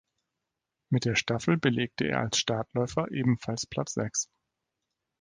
Mit der Staffel belegte er als Startläufer ebenfalls Platz sechs.